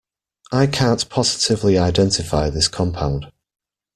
I can't positively identify this compound.